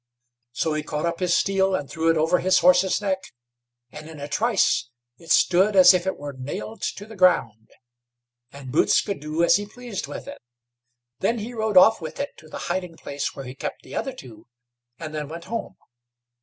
So he caught up his steel and threw it over his horse's neck, and in a trice it stood as if it were nailed to the ground, and Boots could do as he pleased with it. Then he rode off with it to the hiding place where he kept the other two, and then went home.